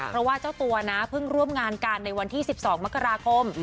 เพราะว่าเจ้าตัวนะเพิ่งร่วมงานกันในวันที่๑๒มกราคม